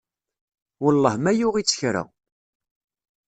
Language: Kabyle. Wellah ma yuɣ-itt kra.